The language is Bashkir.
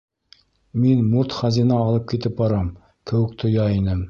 Мин мурт хазина алып китеп барам кеүек тойа инем.